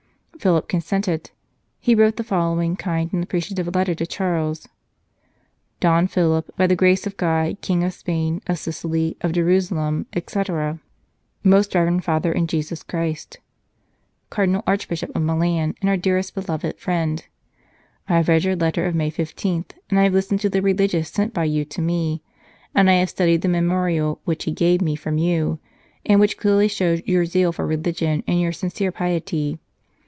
Philip consented ; he wrote the following kind and appreciative letter to Charles :" Don Philip, by the grace of God, King of Spain, of Sicily, of Jerusalem, etc. " MOST REVEREND FATHER IN JESUS CHRIST, Cardinal Archbishop of Milan, and our dearest beloved Friend, I have read your letter of May 15, and I have listened to the Religious sent by you to me, and I have studied the memoriale which he gave me from you, and which clearly shows your zeal for religion and your sincere piety.